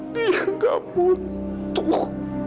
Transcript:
dia gak butuh